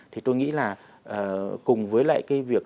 thì tôi nghĩ là cùng với lại cái việc